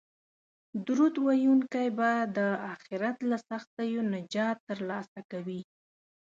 درود ویونکی به د اخرت له سختیو نجات ترلاسه کوي